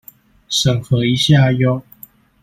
審核一下唷！